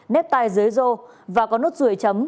nếp tay dưới rô và có nốt rùi chấm